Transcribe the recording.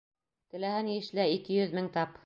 Теләһә ни эшлә, ике йөҙ мең тап.